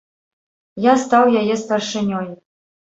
Я стаў яе старшынёй.